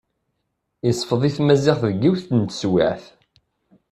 Isfeḍ-it Maziɣ deg yiwet n teswiɛt.